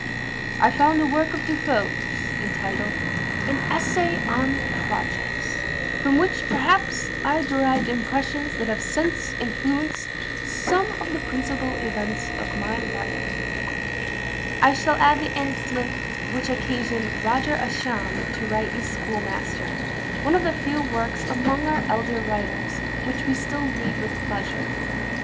"I found a work of De Foe's, entitled an 'Essay on Projects,' from which perhaps I derived impressions that have since influenced some of the principal events of my life." I shall add the incident which occasioned Roger Ascham to write his Schoolmaster, one of the few works among our elder writers, which we still read with pleasure.